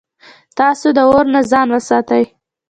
تاسي د اور نه ځان وساتئ